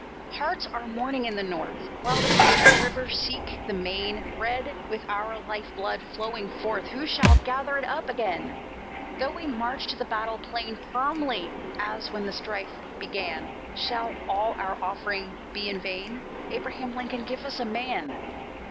"Hearts are mourning in the North, While the sister rivers seek the main, Red with our life blood flowing forth Who shall gather it up again? Though we march to the battle plain Firmly as when the strife began, Shall all our offering be in vain? Abraham Lincoln, give us a MAN!